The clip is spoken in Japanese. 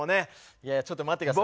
いやいやちょっと待って下さい。